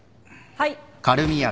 はい。